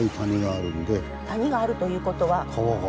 谷があるという事は？